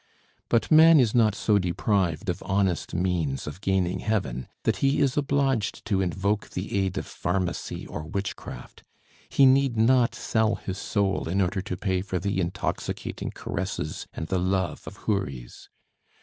But man is not so deprived of honest means of gaining heaven, that he is obliged to invoke the aid of pharmacy or witchcraft; he need not sell his soul in order to pay for the intoxicating caresses and the love of houris.